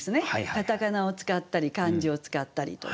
片仮名を使ったり漢字を使ったりと。